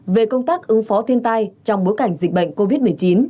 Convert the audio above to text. về công tác ứng phó thiên tai trong bối cảnh dịch bệnh covid một mươi chín